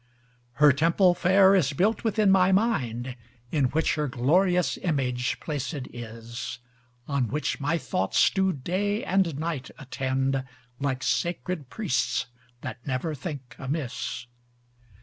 Her temple fair is built within my mind, In which her glorious image placed is, On which my thoughts do day and night attend Like sacred priests that never think amiss.